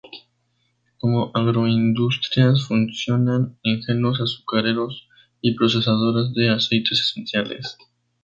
Como agroindustrias funcionan ingenios azucareros y procesadoras de aceites esenciales.